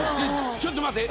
ちょっと待って。